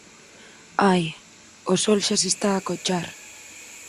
Ai, o sol xa se está a acochar.